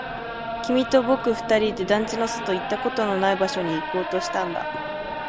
君と僕二人で団地の外、行ったことのない場所に行こうとしたんだ